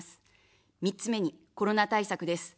３つ目にコロナ対策です。